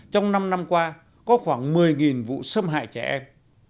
trong năm năm qua có khoảng một mươi vụ xâm hại trẻ em